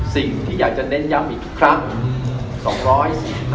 สิ่งที่อยากจะเน้นย้ำอีกครั้ง